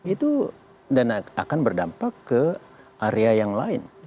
itu akan berdampak ke area yang lain